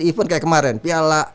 event kayak kemarin piala